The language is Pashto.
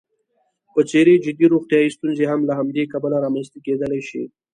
په څېر جدي روغیتايي ستونزې هم له همدې کبله رامنځته کېدلی شي.